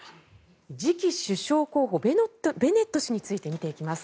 次期首相候補ベネット氏について見ていきます。